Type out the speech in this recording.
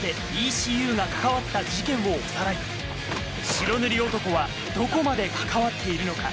白塗り男はどこまで関わっているのか？